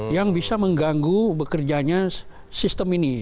yang bisa mengganggu bekerjanya sistem ini